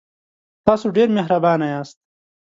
تاسو ډیر مهربانه یاست.